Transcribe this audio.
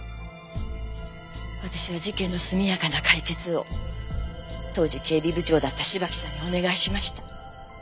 私は事件の速やかな解決を当時警備部長だった芝木さんにお願いしました。